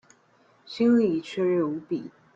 心裡雀躍無比